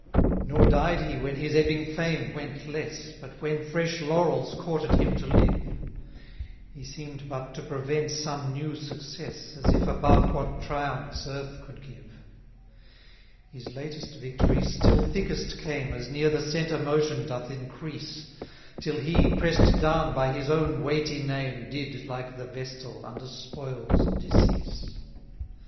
33 Nor died he when his ebbing fame went less, But when fresh laurels courted him to live: He seem'd but to prevent some new success, As if above what triumphs earth could give. 34 His latest victories still thickest came, As near the centre motion doth increase; Till he, press'd down by his own weighty name, Did, like the vestal, under spoils decease.